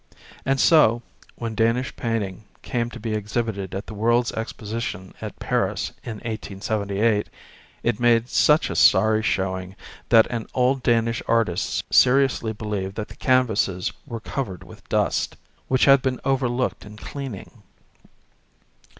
And so, when Danish paint ing came to be exhibited at the World's Exposition at Paris in 1878, it made such a sorry showing that an old Danish artist seriously believed that the canvases were covered with dust, which had been overlooked in cleaning.